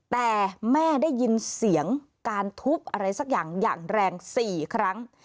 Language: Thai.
แต่แม่ได้ยินเสียงการทุบอะไรสักอย่างอย่างแรง๔ครั้ง